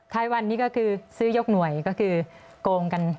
ท้ายวันนี้ก็คือซื้อยกหน่วยก็คือโกงกัน